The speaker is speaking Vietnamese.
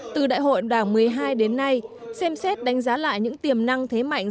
từ đại hội đảng một mươi hai đến nay xem xét đánh giá lại những tiềm năng thế mạnh